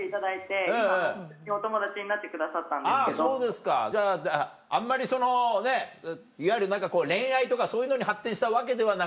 ああそうですかじゃああんまりそのねいわゆる恋愛とかそういうのに発展したわけではなく？